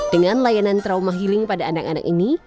dengan layanan trauma healing pada anak anak ini